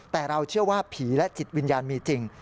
แต่เราเชื่อว่าผีและจิตวิญญาณมีจริง